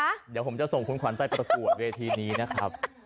เดี๋ยวผมจะส่งคุณขวัญไปประกวดเวทีนี้นะครับ